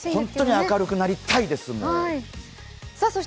本当に明るくなりたいです。